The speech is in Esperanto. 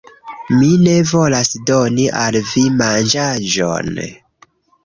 Mi ne volas doni al vi manĝaĵon.